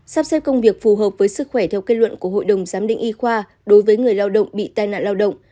sắp xếp công việc phù hợp với sức khỏe theo kết luận của hội đồng giám định y khoa đối với người lao động bị tai nạn lao động